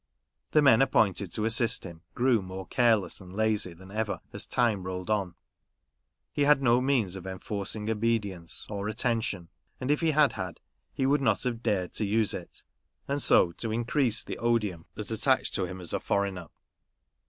The men appointed to assist him grew more careless and lazy than ever as time rolled on ; he had no means of enforcing obedience, or attention, and if he had had, he would not have dared to use it, and so to increase the odium that attached to him as a foreigner.